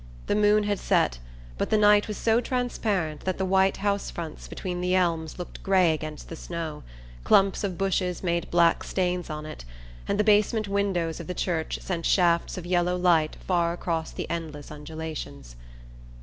The moon had set, but the night was so transparent that the white house fronts between the elms looked gray against the snow, clumps of bushes made black stains on it, and the basement windows of the church sent shafts of yellow light far across the endless undulations.